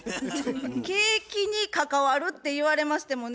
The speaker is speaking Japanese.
「ケーキ」に関わるって言われましてもね。